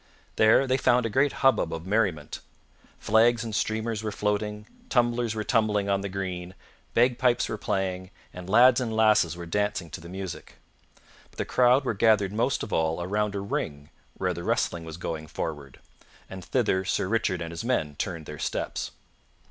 There they found a great hubbub of merriment. Flags and streamers were floating, tumblers were tumbling on the green, bagpipes were playing, and lads and lasses were dancing to the music. But the crowd were gathered most of all around a ring where the wrestling was going forward, and thither Sir Richard and his men turned their steps.